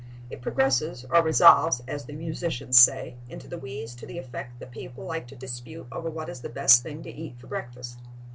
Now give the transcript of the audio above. It progresses or resolves, as the musicians say, into the wheeze to the effect that people like to dispute over what is the best thing to eat for breakfast.